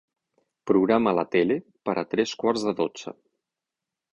Programa la tele per a tres quarts de dotze.